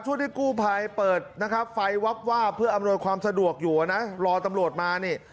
ช่วงที่กู้ภัยเปิดนะครับไฟวับวาบเพื่ออำนวยความสะดวกอยู่นะรอตำรวจมานี่